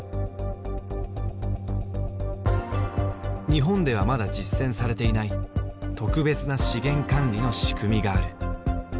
日本ではまだ実践されていない特別な資源管理の仕組みがある。